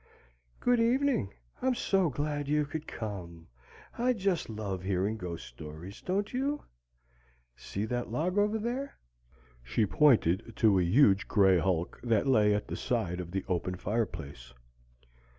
"Good evening. I'm so glad you could come! I just love hearing ghost stories, don't you? See that log over there?" She pointed to a huge gray hulk that lay at the side of the open fireplace.